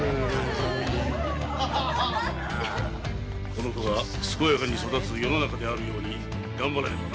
この子が健やかに育つ世の中であるように頑張らねばな。